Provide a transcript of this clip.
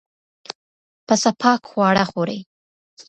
پسه پاک خواړه خوري.